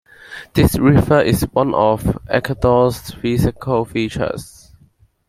This river is one of Ecuador's Physical Features.